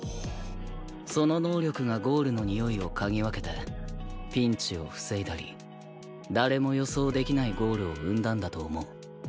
その能力がゴールのにおいを嗅ぎ分けてピンチを防いだり誰も予想できないゴールを生んだんだと思う。